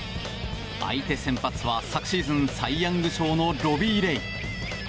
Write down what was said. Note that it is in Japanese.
相手先発は昨シーズンサイ・ヤング賞のロビー・レイ。